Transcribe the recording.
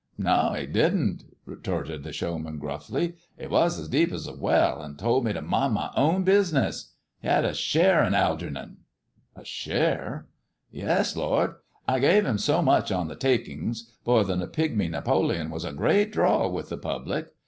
"No, he didn't," retorted the showman gruffly. "He was as deep as a well, and told me to mind my own business. He had a share in Algeernon." "A share!" " Yes, lord ! I gave him so much on the takings, for the Pigmy Napoleon was a great draw with the public.